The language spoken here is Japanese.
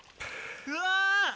うわ！